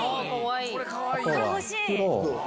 かわいい！